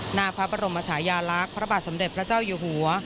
หน้าพระบรมชายาลักษณ์พระบาทสมเด็จพระเจ้าอยู่หัว